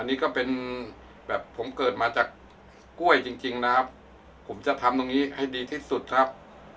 นี่ก็เป็นแบบผมเกิดมาจากกล้วยจริงนะครับผมจะทำตรงนี้ให้ดีที่สุดครับ